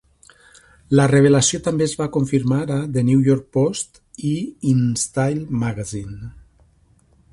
La revelació també es va confirmar a The New York Post i In Style Magazine.